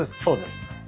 そうですね。